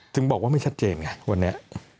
ถึงบอกว่าไม่ชัดเจนไงวันนี้